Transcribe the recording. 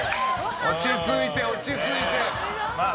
落ち着いて、落ち着いて。